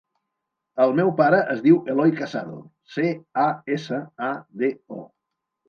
El meu pare es diu Eloy Casado: ce, a, essa, a, de, o.